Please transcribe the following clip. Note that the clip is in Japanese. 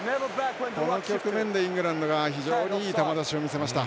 この局面でイングランドが非常にいい球出しを見せました。